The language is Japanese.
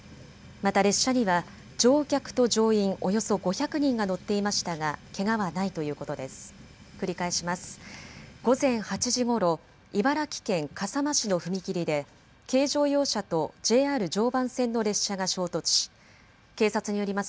また列車には乗客と乗員およそ５００人が乗っていましたが、けがはないということです。